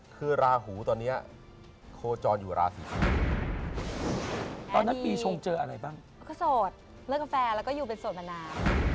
ก็โสดเลิกกาแฟแล้วก็อยู่เป็นโสดมนา